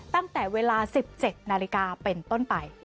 ตั้งแต่เวลา๑๗นาฬิกาเป็นต้นไป